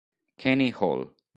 Kenny Hall